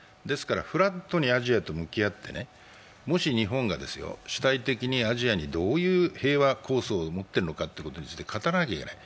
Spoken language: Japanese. フラットにアジアと向き合ってもし日本が主体的にアジアにどういう平和構想を持っているかについて語らなきゃいけない。